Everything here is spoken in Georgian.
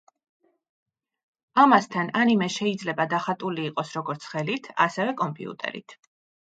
ამასთან ანიმე შეიძლება დახატული იყოს, როგორც ხელით, ასევე კომპიუტერით.